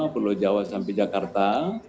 pulau jawa sampai jakarta